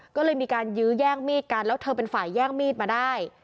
ก็เลยมีการยื้อแย่งมีดกันแล้วเธอเป็นฝ่ายแย่งมีดมาได้